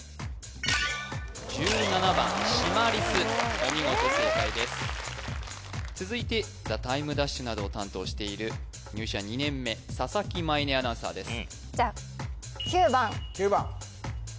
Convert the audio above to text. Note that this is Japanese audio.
１７番シマリスお見事正解です続いて「ＴＨＥＴＩＭＥ’」などを担当している入社２年目佐々木舞音アナウンサーです